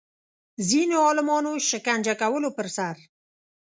ځینو عالمانو شکنجه کولو پر سر